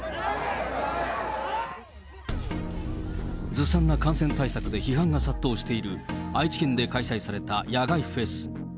ずさんな感染対策で批判が殺到している、愛知県で開催された野外フェス。